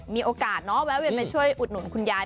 มีโอกาสเนอะแวะเวียนไปช่วยอุดหนุนคุณยาย